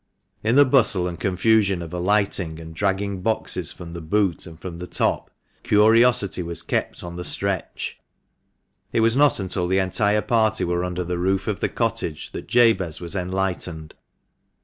In the bustle and confusion of alighting, and dragging boxes from the boot and from the top, curiosity was kept on the stretch. It was not until the entire party were under the roof of the cottage that Jabez was enlightened.